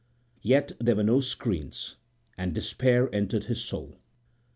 Yet there were no screens, and despair entered his soul.